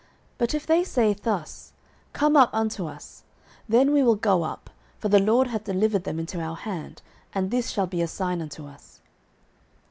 09:014:010 But if they say thus, Come up unto us; then we will go up: for the LORD hath delivered them into our hand: and this shall be a sign unto us.